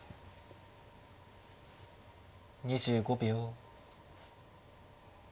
２５秒。